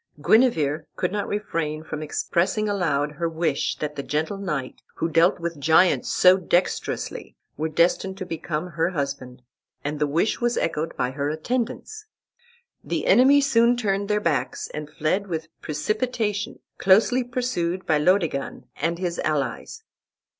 Guenever could not refrain from expressing aloud her wish that the gentle knight, who dealt with giants so dexterously, were destined to become her husband, and the wish was echoed by her attendants. The enemy soon turned their backs and fled with precipitation, closely pursued by Laodegan and his allies.